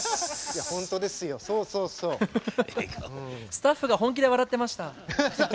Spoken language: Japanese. スタッフが本気で笑ってました。